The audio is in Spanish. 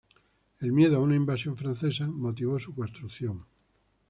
El miedo a una invasión francesa motivó su construcción.